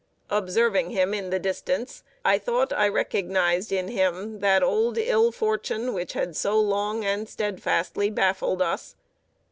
Observing him in the distance, I thought I recognized in him that old ill fortune which had so long and steadfastly baffled us.